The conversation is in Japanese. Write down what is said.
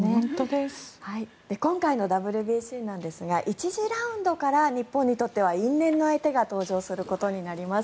今回のＷＢＣなんですが１次ラウンドから日本にとっては因縁の相手が登場することになります。